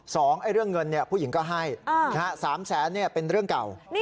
สองเรื่องเงินผู้หญิงก็ให้สามแสนเป็นเรื่องเก่า